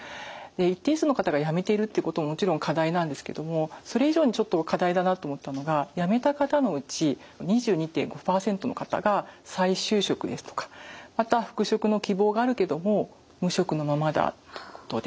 一定数の方が辞めているってことももちろん課題なんですけどもそれ以上にちょっと課題だなと思ったのが辞めた方のうち２２．５％の方が再就職ですとかまたは復職の希望があるけども無職のままだってことで。